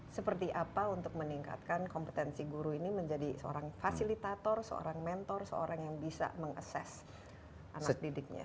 seperti apa untuk meningkatkan kompetensi guru ini menjadi seorang fasilitator seorang mentor seorang yang bisa mengases anak didiknya